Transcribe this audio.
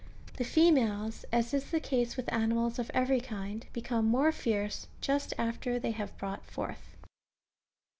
The females, as is the case with animals of every kind, become more fierce just after they have brought forth.